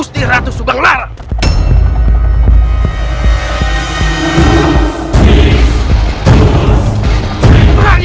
aku harus menggunakan ajem pabuk kasku